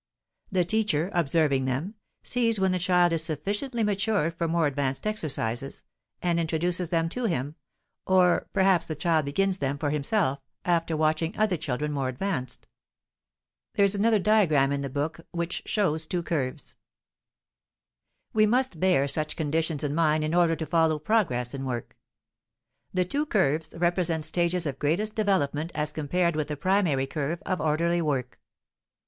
The teacher, observing them, sees when the child is sufficiently matured for more advanced exercises, and introduces them to him, or perhaps the child begins them for himself, after watching other children more advanced. We must bear such conditions in mind in order to follow "progress" in work. [Illustration: Course of Progress] The two curves represent stages of greatest development as compared with the primary curve of orderly work.